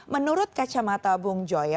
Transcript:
menurut kacamata bung joy